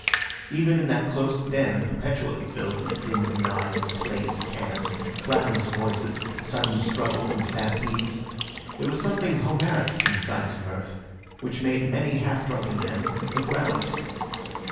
Even in that close den, perpetually filled with the din of knives, plates, cans, clamorous voices, sudden struggles and stampedes, there was something Homeric in Syme's mirth which made many half drunken men look round.